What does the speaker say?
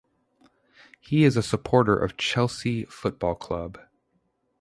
He is a supporter of Chelsea Football Club.